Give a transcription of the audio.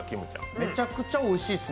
めちゃくちゃおいしいっすね。